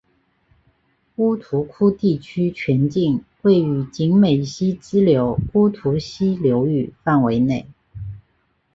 乌涂窟地区全境位于景美溪支流乌涂溪流域范围内。